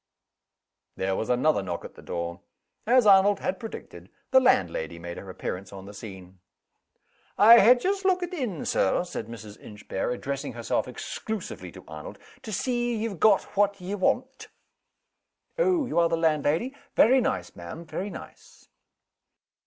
There was another knock at the door. As Arnold had predicted, the landlady made her appearance on the scene. "I ha' just lookit in, Sir," said Mrs. Inchbare, addressing herself exclusively to Arnold, "to see ye've got what ye want." "Oh! you are the landlady? Very nice, ma'am very nice."